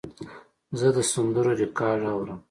زه د سندرو ریکارډ اورم.